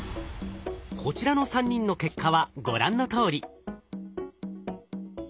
こちらの３人の結果はご覧のとおり。